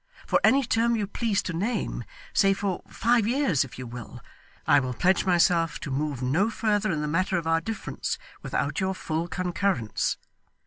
For any term you please to name say for five years if you will I will pledge myself to move no further in the matter of our difference without your full concurrence.